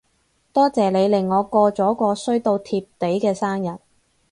多謝你令我過咗個衰到貼地嘅生日